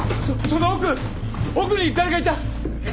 その奥奥に誰かいた！